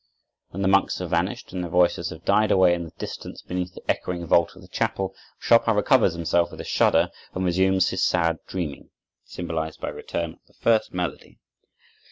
When the monks have vanished, and their voices have died away in the distance beneath the echoing vault of the chapel, Chopin recovers himself with a shudder and resumes his sad dreaming, symbolized by a return of the first melody.